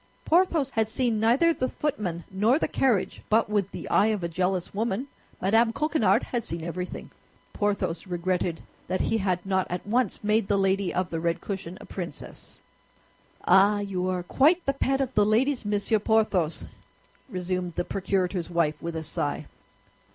Porthos had seen neither the footman nor the carriage, but with the eye of a jealous woman, Mme. Coquenard had seen everything. Porthos regretted that he had not at once made the lady of the red cushion a princess. "Ah, you are quite the pet of the ladies, Monsieur Porthos!" resumed the procurator's wife, with a sigh.